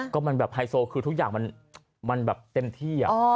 ก็มันแบบไฮโซคือทุกอย่างมันแบบเต็มที่